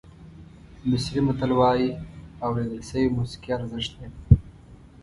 مصري متل وایي اورېدل شوې موسیقي ارزښت لري.